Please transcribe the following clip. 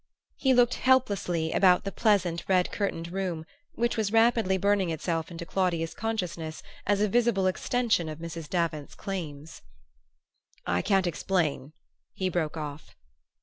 He looked helplessly about the pleasant red curtained room, which was rapidly burning itself into Claudia's consciousness as a visible extension of Mrs. Davant's claims. "I can't explain," he broke off.